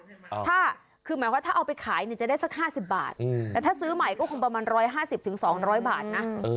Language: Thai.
ถ้าคือหมายว่าถ้าเอาไปขายเนี่ยจะได้สัก๕๐บาทแต่ถ้าซื้อใหม่ก็คงประมาณ๑๕๐๒๐๐บาทนะ